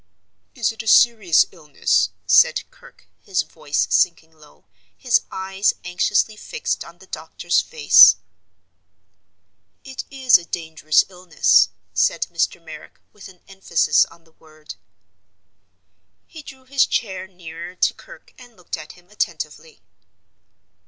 "Is it a serious illness?" said Kirke his voice sinking low, his eyes anxiously fixed on the doctor's face. "It is a dangerous illness," said Mr. Merrick, with an emphasis on the word. He drew his chair nearer to Kirke and looked at him attentively.